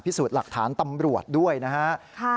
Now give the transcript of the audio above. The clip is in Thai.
พิสูจน์หลักฐานตำรวจด้วยนะครับ